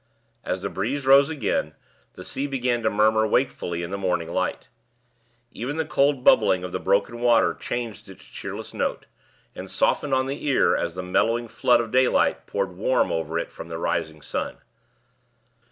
As the breeze rose again, the sea began to murmur wakefully in the morning light. Even the cold bubbling of the broken water changed its cheerless note, and softened on the ear as the mellowing flood of daylight poured warm over it from the rising sun.